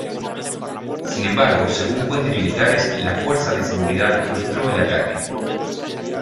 Sin embargo, según fuentes militares, la fuerza de seguridad frustró el ataque.